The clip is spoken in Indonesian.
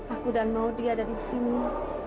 aku dan maudi ada di sini